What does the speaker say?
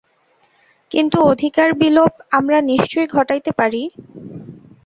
কিন্তু অধিকার-বিলোপ আমরা নিশ্চয়ই ঘটাইতে পারি।